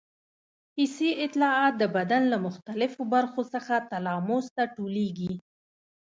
حسي اطلاعات د بدن له مختلفو برخو څخه تلاموس ته ټولېږي.